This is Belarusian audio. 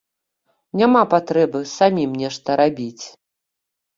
Няма патрэбы самім нешта рабіць.